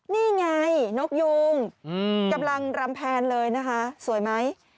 นี่ไงนกยูงกำลังรำแพนเลยนะคะสวยไหม